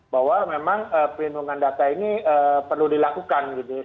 bahwa memang pelindungan data ini perlu dilakukan gitu ya